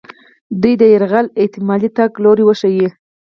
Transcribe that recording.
دوی دې د یرغل احتمالي تګ لوري وښیي.